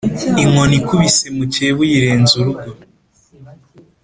Inkoni ikubise mukeba uyirenza urugo.